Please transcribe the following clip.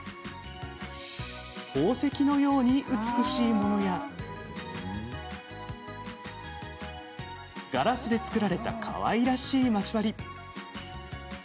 宝石のように美しいものやガラスで作られたかわいらしいまち針。